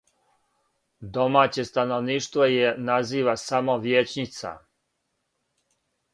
Домаће становништво је назива само "Вијећница".